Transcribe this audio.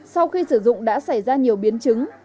sau khi sử dụng đã xảy ra nhiều biến chứng